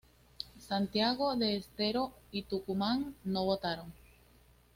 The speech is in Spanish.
Santiago del Estero y Tucumán no votaron.